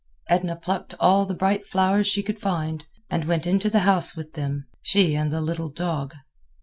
Edna plucked all the bright flowers she could find, and went into the house with them, she and the little dog.